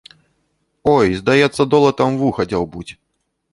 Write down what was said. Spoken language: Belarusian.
Ой, здаецца, долатам у вуха дзяўбуць.